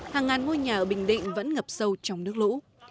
hàng ngàn ngôi nhà ở bình định vẫn ngập sâu trong nước lũ